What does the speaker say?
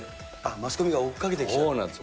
マスコミが追っかけてきちゃそうなんです。